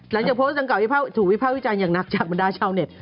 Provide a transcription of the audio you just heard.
หลังจากโพสต์ดังกล่าถูกวิภาควิจารณ์อย่างหนักจากบรรดาชาวเน็ต